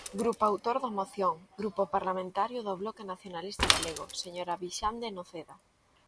Grupo autor da moción, Grupo parlamentario do Bloque Nacionalista Galego, señora Vixande Noceda.